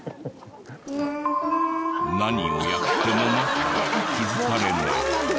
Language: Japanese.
何をやっても全く気づかれない。